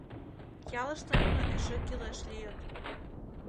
— Ялыште нуно эше кӱлеш лийыт.